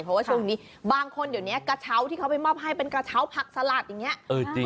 เพราะว่าช่วงนี้บางคนเดี๋ยวนี้กระเช้าที่เขาไปมอบให้เป็นกระเช้าผักสลัดอย่างนี้